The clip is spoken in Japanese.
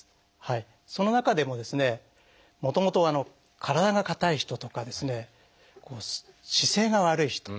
その中でもですねもともと体が硬い人とか姿勢が悪い人。